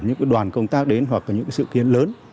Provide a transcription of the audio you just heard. những cái đoàn công tác đến hoặc là những cái sự kiến lớn